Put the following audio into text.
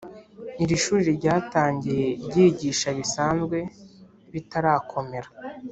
iri shuri ryatangiye ryigisha bisanzwe bitarakomera